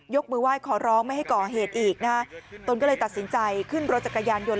มือไหว้ขอร้องไม่ให้ก่อเหตุอีกนะฮะตนก็เลยตัดสินใจขึ้นรถจักรยานยนต